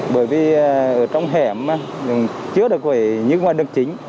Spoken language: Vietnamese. bởi vì ở trong hẻm chứa được những ngoan đường chính